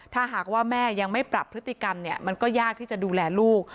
ถ้าหากว่าแม่ยังไม่ปรับพฤติกรรมเนี่ยมันก็ยากที่จะดูแลลูก